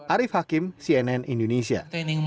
arief hakim cnn indonesia